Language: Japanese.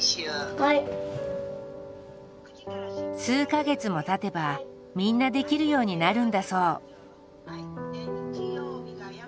数か月もたてばみんなできるようになるんだそう。